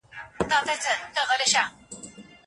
هیوادونه د ټکنالوژیکي نوښتونو په برخه کي همکاري کوي.